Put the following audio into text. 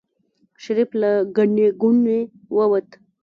شريف له ګڼې ګوڼې ووت.